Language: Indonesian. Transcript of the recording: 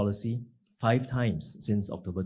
lima kali sejak oktober dua ribu dua puluh satu